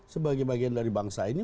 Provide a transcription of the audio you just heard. sebagai bagian dari bangsa ini